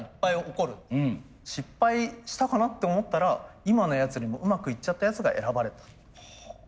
失敗したかなって思ったら今のやつよりもうまくいっちゃったやつが選ばれた。